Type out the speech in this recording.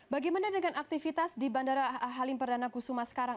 bagaimana dengan aktivitas di bandara halim perdana kusuma sekarang